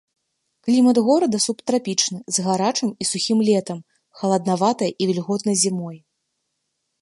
Клімат горада субтрапічны з гарачым і сухім летам, халаднаватай і вільготнай зімой.